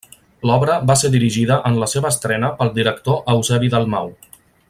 L'obra va ser dirigida en la seva estrena pel director Eusebi Dalmau.